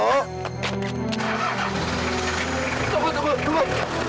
tunggu tunggu tunggu